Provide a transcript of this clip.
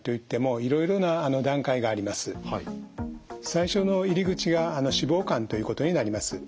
最初の入り口が脂肪肝ということになります。